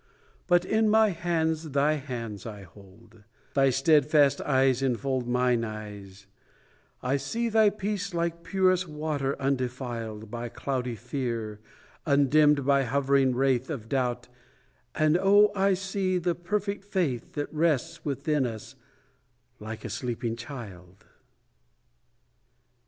But in my hands thy hands I hold; Thy steadfast eyes enfold Mine eyes; I see Thy peace like purest water undefiled By cloudy fear, undimmed by hovering wraith Of doubt, and oh, I see The perfect faith That rests within us like a sleeping child.